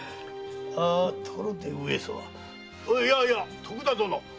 ところで上様いやいや徳田殿。